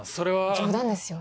冗談ですよ。